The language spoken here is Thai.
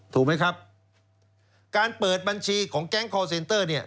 ถูกไหมครับการเปิดบัญชีของแก๊งคอร์เซนเตอร์เนี่ย